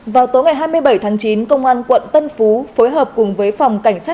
vào tối ngày hai mươi bảy tháng chín công an quận tân phú phối hợp cùng với phòng cảnh sát